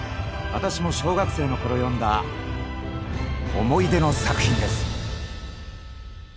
私も小学生の頃読んだ思い出の作品です。